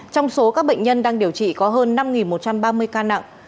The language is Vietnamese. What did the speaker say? trong số các bệnh nhân đang điều trị có hơn năm một trăm ba mươi ca nặng